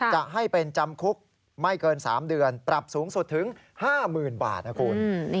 จะให้เป็นจำคุกไม่เกิน๓เดือนปรับสูงสุดถึง๕๐๐๐บาทนะคุณ